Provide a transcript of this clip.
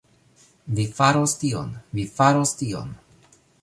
Vi faros tion... vi faros tion...